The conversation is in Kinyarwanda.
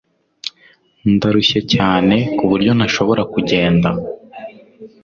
Ndarushye cyane kuburyo ntashobora kugenda